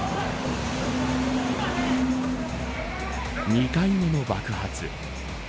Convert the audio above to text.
２回目の爆発。